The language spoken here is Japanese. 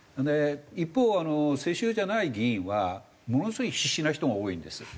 一方あの世襲じゃない議員はものすごい必死な人が多いんです。